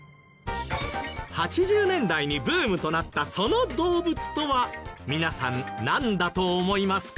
８０年代にブームとなったその動物とは皆さんなんだと思いますか？